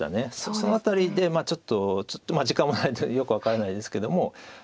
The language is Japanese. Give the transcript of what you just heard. その辺りでちょっと時間もないのでよく分からないですけども。